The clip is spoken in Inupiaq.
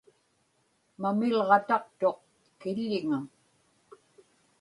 mamilġataqtuq kiḷḷiŋa